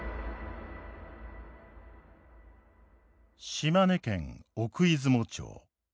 島根県奥出雲町。